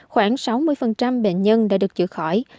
khoảng sáu mươi bệnh nhân đã được chữa khỏi